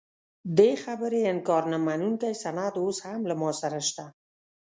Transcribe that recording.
دې خبرې انکار نه منونکی سند اوس هم له ما سره شته.